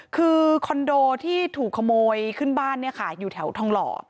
คือคอนโดที่ถูกขโมยขึ้นบ้านเนี่ยค่ะอยู่แถวทองหล่อ